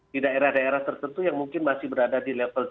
di daerah daerah tertentu yang mungkin masih berada di level tiga